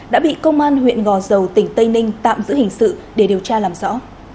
đã bị công an huyện gò dầu tỉnh tây ninh tạm giữ hình sự để điều tra làm rõ